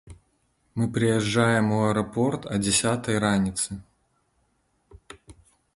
Мы прыязджаем у аэрапорт а дзясятай раніцы.